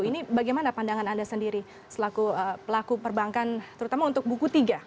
ini bagaimana pandangan anda sendiri selaku pelaku perbankan terutama untuk buku tiga